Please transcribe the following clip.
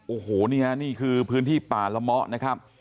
โอ้โหนี่ฮะนี่คือพื้นที่ป่าละเมาะนะครับ